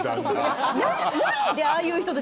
ああいう人と。